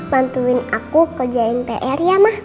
bantuin aku kerjain pr ya ma